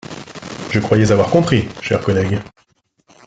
Je croyais avoir compris, chers collègues